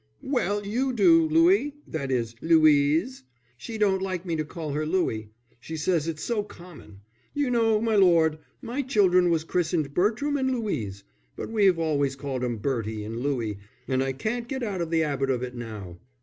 "Well, you do, Louie that is Louise. She don't like me to call her Louie. She says it's so common. You know, my lord, my children was christened Bertram and Louise. But we've always called 'em Bertie and Louie, and I can't get out of the 'abit of it now.